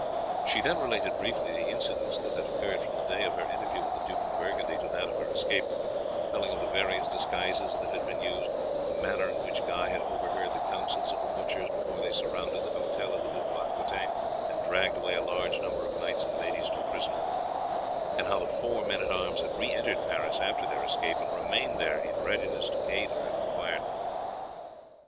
She then related briefly the incidents that had occurred from the day of her interview with the Duke of Burgundy to that of her escape, telling of the various disguises that had been used, the manner in which Guy had overheard the councils of the butchers before they surrounded the hotel of the Duke of Aquitaine and dragged away a large number of knights and ladies to prison, and how the four men at arms had re entered Paris after their escape, and remained there in readiness to aid her if required.